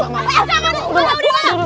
kamu ada mana dulu